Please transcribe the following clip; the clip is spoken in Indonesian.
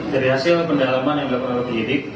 dari hasil pendalaman yang dapat kita didik